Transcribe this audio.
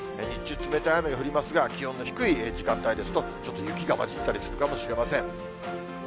日中、冷たい雨が降りますが、気温の低い時間帯ですと、ちょっと雪が交じったりするかもしれません。